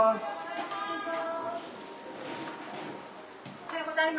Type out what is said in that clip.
おはようございます。